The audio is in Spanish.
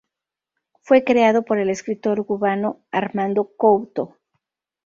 Fue creado por el escritor cubano Armando Couto.